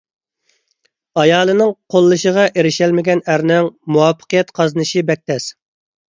ئايالىنىڭ قوللىشىغا ئېرىشەلمىگەن ئەرنىڭ مۇۋەپپەقىيەت قازىنىشى بەك تەس.